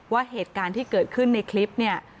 ว่าเหตุการณ์ที่เกิดขึ้นในคลิปเนี่ย